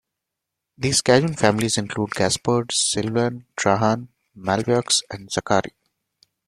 These Cajun families include Gaspard, Sylvan, Trahan, Malveaux, and Zachary.